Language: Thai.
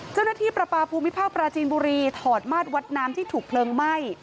ประปาภูมิภาคปราจีนบุรีถอดมาดวัดน้ำที่ถูกเพลิงไหม้